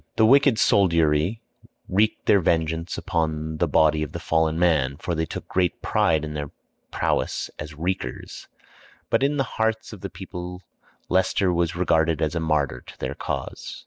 The wicked soldiery wreaked their vengeance upon the body of the fallen man, for they took great pride in their prowess as wreakers; but in the hearts of the people Leicester was regarded as a martyr to their cause.